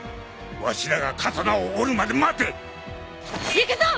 わしらが刀を折るまで待て！いくぞ！